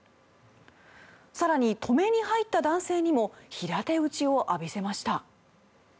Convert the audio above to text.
更に止めに入った男性にも平手打ちを浴びせました。